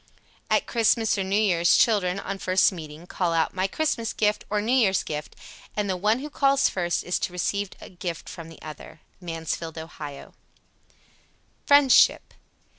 At Christmas or New Year's children, on first meeting, call out "My Christmas gift," or "New Year's gift," and the one who calls first is to receive a gift from the other. Mansfield, O. FRIENDSHIP.